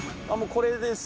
これです。